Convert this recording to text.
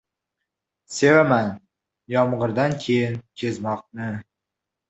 Sevaman yomg’irdan keyin kezmoqni